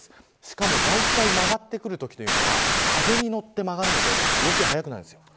しかもだいたい曲がってくるときは風に乗って曲がるので動きが速くなるんです。